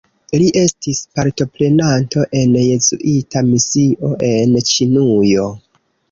Li estis partoprenanto en Jezuita misio en Ĉinujo.